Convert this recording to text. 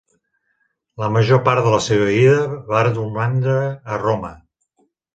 La major part de la seva vida va romandre a Roma.